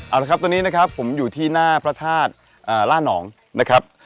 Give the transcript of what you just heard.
เอาละครับตอนนี้นะครับผมอยู่ที่หน้าพระธาตุล่านองนะครับ